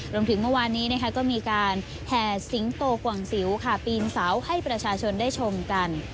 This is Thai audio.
เมื่อวานนี้ก็มีการแห่สิงโตกว่างสิวค่ะปีนเสาให้ประชาชนได้ชมกัน